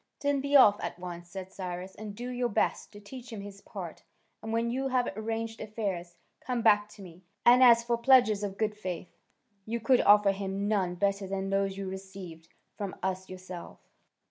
"Then be off at once," said Cyrus, "and do your best to teach him his part, and when you have arranged affairs, come back to me; and as for pledges of good faith, you could offer him none better than those you received from us yourself."